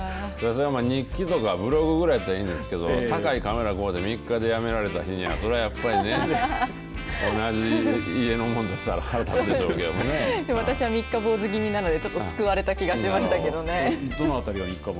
日記とかブログぐらいやったらいいんですけど高いカメラ買うて三日でやめられた日にはそれはやっぱりね同じ家の者としたら私は三日坊主気味なのでちょっと救われた気がしましたけどね。